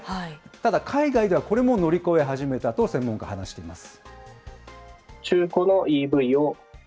ただ、海外ではこれも乗り越え始めたと専門家は話しています。